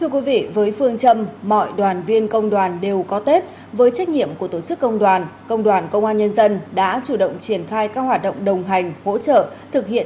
các bạn hãy đăng ký kênh để ủng hộ kênh của chúng mình nhé